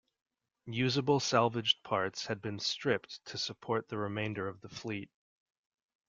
Usable salvaged parts had been stripped to support the remainder of the fleet.